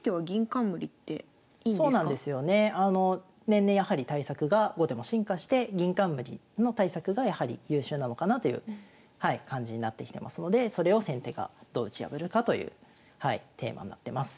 年々やはり対策が後手も進化して銀冠の対策がやはり優秀なのかなという感じになってきてますのでそれを先手がどう打ち破るかというテーマになってます。